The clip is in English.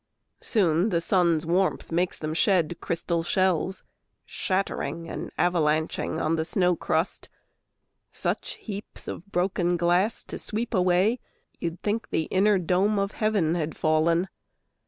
Soon the sun's warmth makes them shed crystal shells Shattering and avalanching on the snow crust Such heaps of broken glass to sweep away You'd think the inner dome of heaven had fallen.